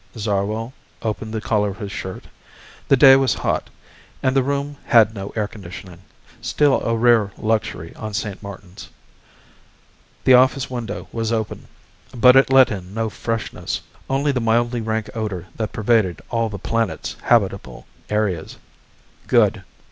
Zarwell opened the collar of his shirt. The day was hot, and the room had no air conditioning, still a rare luxury on St. Martin's. The office window was open, but it let in no freshness, only the mildly rank odor that pervaded all the planet's habitable area. "Good."